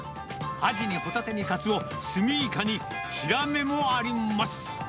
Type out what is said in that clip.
アジにホタテにカツオ、スミイカにヒラメもあります。